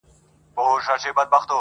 حیوانان یې وه بارونو ته بللي!!